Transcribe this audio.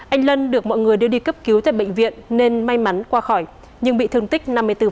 anh lân được mọi người đưa đi cấp cứu tại bệnh viện nên may mắn qua khỏi nhưng bị thương tích năm mươi bốn